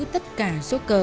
tất cả số cờ